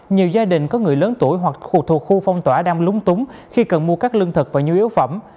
nhiều gia đình có người lớn tuổi hoặc thuộc khu phong tỏa đang lúng túng khi cần mua các lương thực và nhu yếu phẩm